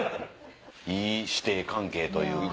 いい師弟関係というか。